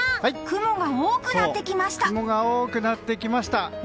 雲が多くなってきました。